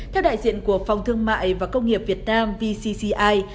theo đại diện của phòng thương mại và công nghiệp việt nam vcci